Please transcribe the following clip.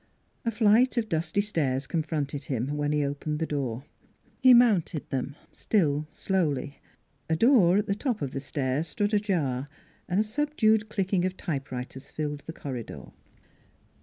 A flight of dusty stairs confronted him, when he opened the door. He mounted them, still slowly. A door at the top of the stair stood ajar and a subdued clicking of typewriters filled the corridor.